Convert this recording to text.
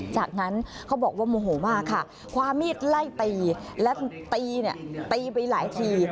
จากนั้นเขาบอกว่าโมโหมากค่ะความมีดไล่ตีและตีเนี่ยตีไปหลายที